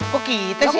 kok kita sih